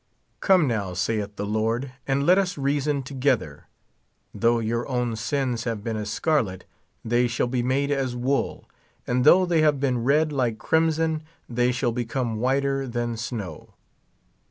Come now, saith the Lord, and let us reason together ; though your own sins have been as scarlet, they shall be made as wool ; and though they have been red like crimson, they shall become whiter than snow.